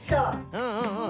うんうんうん。